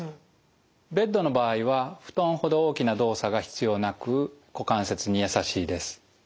ベッドの場合は布団ほど大きな動作が必要なく股関節にやさしいです。